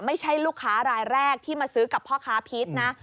ไม่ใช่ลูกค้ารายแรกที่มาซื้อกับพ่อค้าพีชนะ